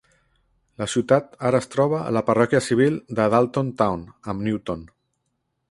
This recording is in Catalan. La ciutat ara es troba a la parròquia civil de Dalton Town amb Newton.